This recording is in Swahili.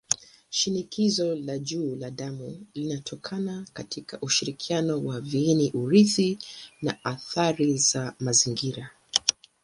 Shinikizo la juu la damu linatokana katika ushirikiano wa viini-urithi na athari za mazingira.